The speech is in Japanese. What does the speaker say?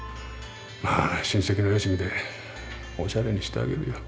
まあ親戚のよしみでおしゃれにしてあげるよ。